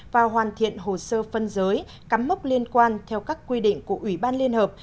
và hoàn thiện hồ sơ phân giới cắm mốc liên quan theo các quy định của ủy ban liên hợp